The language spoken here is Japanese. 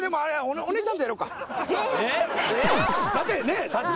だってねえ